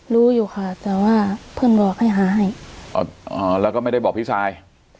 รู้อยู่ค่ะแต่ว่าเพื่อนบอกให้หาให้แล้วก็ไม่ได้บอกพี่ชาย